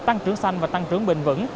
tăng trưởng xanh và tăng trưởng bình vững